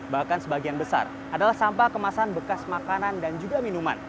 bahkan sebagian besar adalah sampah kemasan bekas makanan dan juga minuman